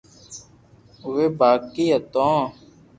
اوي ٻآٽئ تو